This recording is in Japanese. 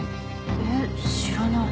えっ知らない。